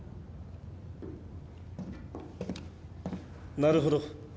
なるほど。